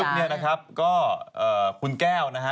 เจมส์ก็คนแก้วนะครับ